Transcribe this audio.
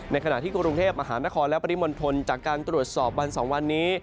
ขณะที่กรุงเทพมหานครและปริมณฑลจากการตรวจสอบวัน๒วันนี้